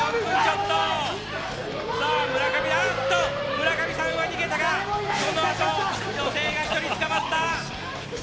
村上さんは逃げたがそのあと女性が１人捕まった。